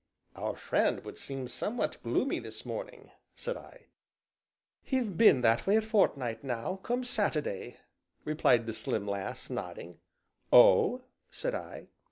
"Our friend would seem somewhat gloomy this morning," said I. "He've been that way a fortnight now, come Satu'day," replied the slim lass, nodding. "Oh?" said I.